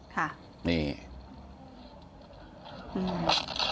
ค่ะนี่อืม